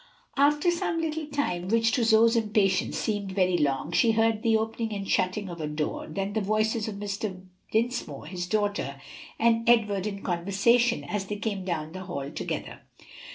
After some little time, which, to Zoe's impatience, seemed very long, she heard the opening and shutting of a door, then the voices of Mr. Dinsmore, his daughter, and Edward in conversation, as they came down the hall together.